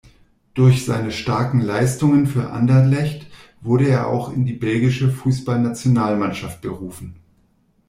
Durch seine starken Leistungen für Anderlecht wurde er auch in die belgische Fußballnationalmannschaft berufen.